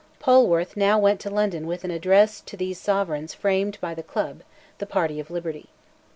Polwarth now went to London with an address to these Sovereigns framed by "the Club," the party of liberty.